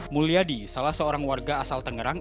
mulyadi salah seorang warga asal tangerang